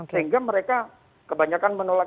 sehingga mereka kebanyakan menolak